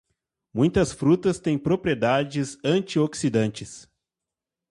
Muitas frutas têm propriedades antioxidantes.